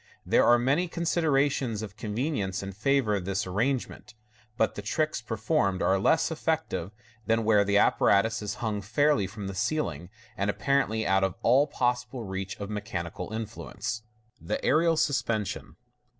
There are many considerations of convenience in favour of this arrangement, but the tricks performed are less effective than where Fig. 311. MODERN MAGIC. 49$ the apparatus is hung fairly from the ceiling, and apparently out of all possible reach of mechanical influence. Thi Aerial Suspension.